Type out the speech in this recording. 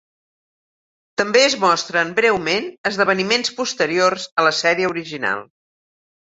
També es mostren breument esdeveniments posteriors a la sèrie original.